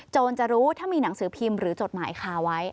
จะรู้ถ้ามีหนังสือพิมพ์หรือจดหมายคาไว้